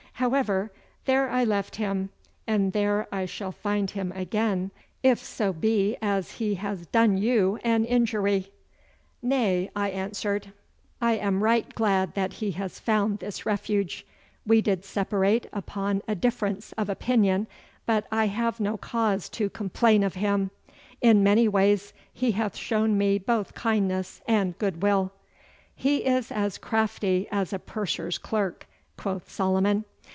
However, there I left him, and there I shall find him again if so be as he has done you an injury.' 'Nay,' I answered, 'I am right glad that he has found this refuge. We did separate upon a difference of opinion, but I have no cause to complain of him. In many ways he hath shown me both kindness and goodwill.' 'He is as crafty as a purser's clerk,' quoth Solomon.